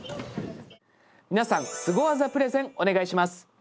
みなさんスゴ技プレゼンお願いします。